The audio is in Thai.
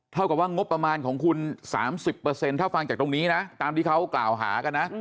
เท่ากับว่างบประมาณของคุณ๓๐ถ้าฟังจากตรงนี้นะตามที่เขากล่าวหากันนะ